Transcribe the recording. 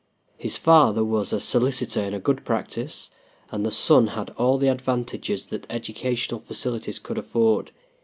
His father was a solicitor in good practice, and the son had all the advantages that educational facilities could afford.